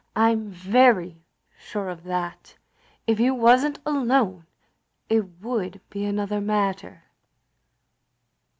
I 'm very sure of that. If you was n't alone it would be another matter.